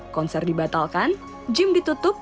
konser dibatalkan gym ditutup